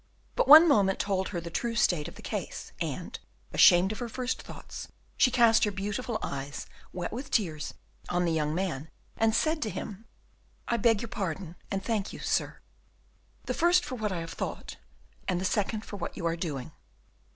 But one moment told her the true state of the case and, ashamed of her first thoughts, she cast her beautiful eyes, wet with tears, on the young man, and said to him, "I beg your pardon, and thank you, sir; the first for what I have thought, and the second for what you are doing."